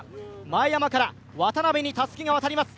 前山から渡邉にたすきが渡ります。